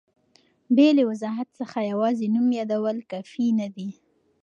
بې له وضاحت څخه یوازي نوم یادول کافي نه دي.